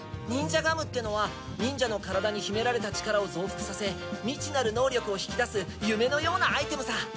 ニンジャガムってのは忍者の体に秘められた力を増幅させ未知なる能力を引き出す夢のようなアイテムさ！